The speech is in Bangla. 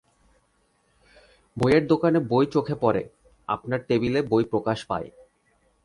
বইয়ের দোকানে বই চোখে পড়ে, আপনার টেবিলে বই প্রকাশ পায়।